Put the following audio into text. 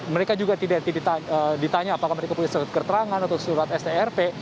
mereka juga tidak ditanya apakah mereka punya surat keterangan atau surat strp